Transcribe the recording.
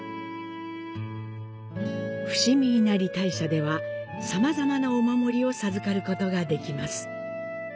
伏見稲荷大社では様々なお守りを授かることができます。